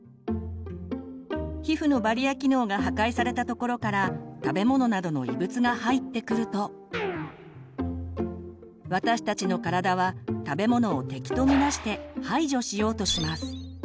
皮膚のバリア機能が破壊された所から食べ物などの異物が入ってくると私たちの体は食べ物を敵と見なして排除しようとします。